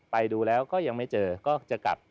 ไปดูแล้วก็ยังไม่เจอก็จะกลับ